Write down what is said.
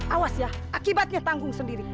awas ya akibatnya tanggung sendiri